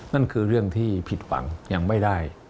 นั่นคือเรื่องที่ผิดหวังยังไม่ได้